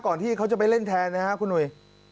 ที่เขาจะไปเล่นแทนนะครับคุณหนุ่ย